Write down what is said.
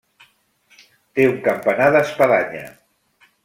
Té un campanar d'espadanya.